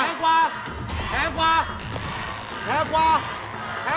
ต้องแพงกว่านะฮะ